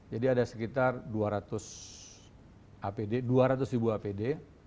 jadi ada sekitar dua ratus apd